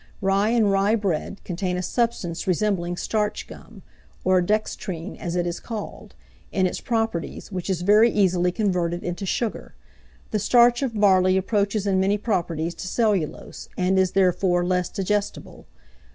Rye and rye bread contain a substance resembling starch gum (or dextrine, as it is called) in its properties, which is very easily converted into sugar. The starch of barley approaches in many properties to cellulose, and is, therefore, less digestible.